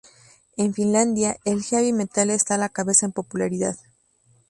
En Finlandia el Heavy metal está a la cabeza en popularidad.